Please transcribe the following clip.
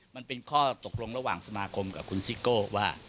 มันเป็นข้อตกลงระหว่างสมาคมกับคุณซิโก้ว่า